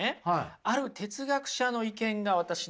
ある哲学者の意見が私ね